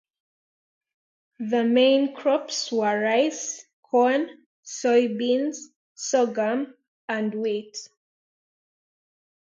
The main crops were rice, corn, soybeans, sorghum, and wheat.